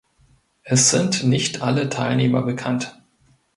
Es sind nicht alle Teilnehmer bekannt.